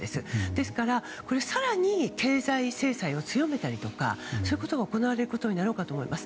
ですから、更に経済制裁を強めたりとかそういうことが行われることになろうかと思います。